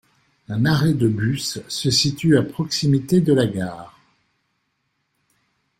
Un arrêt de bus se situe à proximité de la gare.